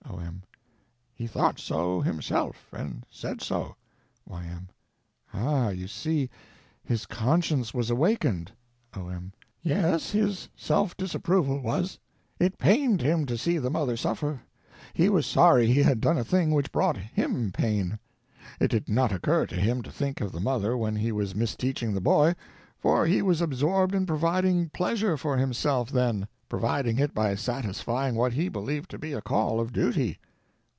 O.M. He thought so himself, and said so. Y.M. Ah—you see, his conscience was awakened! O.M. Yes, his Self Disapproval was. It pained him to see the mother suffer. He was sorry he had done a thing which brought him pain. It did not occur to him to think of the mother when he was misteaching the boy, for he was absorbed in providing pleasure for himself, then. Providing it by satisfying what he believed to be a call of duty.